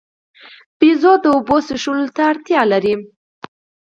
بیزو د اوبو څښلو ته اړتیا لري.